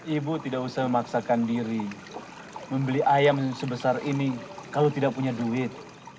ibu tidak usah memaksakan diri membeli ayam sebesar ini kalau tidak punya duit